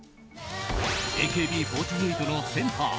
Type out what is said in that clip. ＡＫＢ４８のセンター